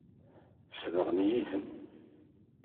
Sebɣen-iyi-ten.